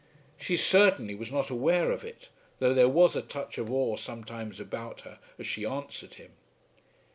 She certainly was not aware of it, though there was a touch of awe sometimes about her as she answered him.